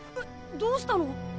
どうしたの？